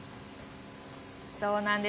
そうなんです。